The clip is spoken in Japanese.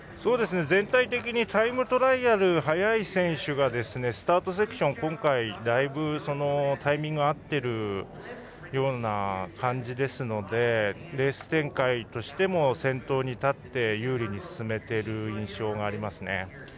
全体的にタイムトライアル早い選手がスタートセクションに今回だいぶタイミングが合っているような感じですのでレース展開としても先頭に立って有利に進めている印象があります。